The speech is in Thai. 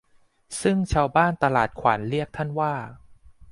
ซึ่งชาวบ้านตลาดขวัญเรียกท่านว่า